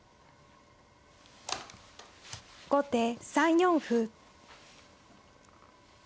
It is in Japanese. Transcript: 後手３四歩。